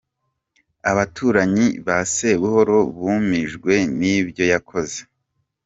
Abaturanyi ba Sebuhoro bumijwe n’ibyo yakoze.